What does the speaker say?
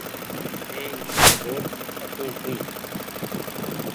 مين انگليش ٻول سڪون ڇي ۔